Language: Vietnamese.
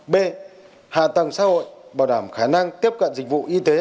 b hạ tầng xã hội bảo đảm khả năng tiếp cận dịch vụ y tế